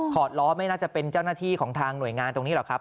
ล้อไม่น่าจะเป็นเจ้าหน้าที่ของทางหน่วยงานตรงนี้หรอกครับ